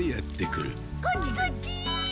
こっちこっち！